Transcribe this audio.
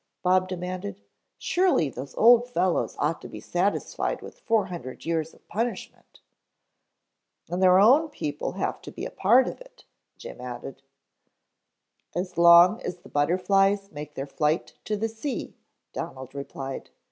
Bob demanded. "Surely those old fellows ought to be satisfied with four hundred years of punishment." "And their own people have to be a part of it," Jim added. "As long as the butterflies make their flight to the sea," Donald replied.